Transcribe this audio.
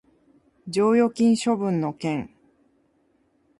剰余金処分の件